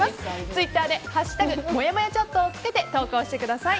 ツイッターで「＃もやもやチャット」をつけて投稿してください。